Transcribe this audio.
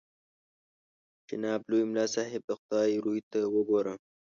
جناب لوی ملا صاحب د خدای روی ته وګوره.